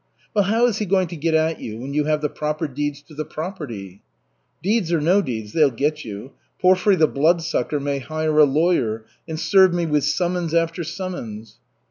"Well, how is he going to get at you when you have the proper deeds to the property?" "Deeds or no deeds, they'll get you. Porfiry the Bloodsucker may hire a lawyer and serve me with summons after summons."